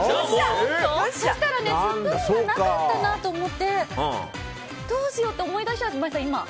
そしたらスプーンがなかったなと思ってどうしようって思い出しちゃいました、今。